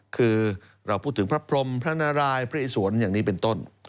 คือเราพูดถึงพระพรมพระนารายพระอิสวนอย่างนี้เป็นต้น